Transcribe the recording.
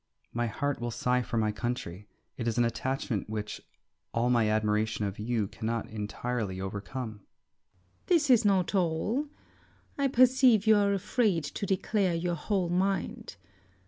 My heart will sigh for my country. It is an attachment which all my admiration of you cannot entirely overcome. Circe. This is not all. I perceive you are afraid to declare your whole mind.